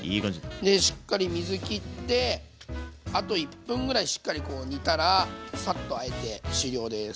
しっかり水きってあと１分ぐらいしっかり煮たらサッとあえて終了です。